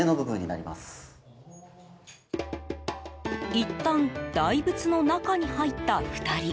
いったん大仏の中に入った２人。